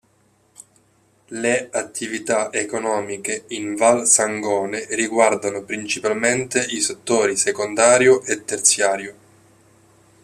Le attività economiche in Val Sangone riguardano principalmente i settori secondario e terziario.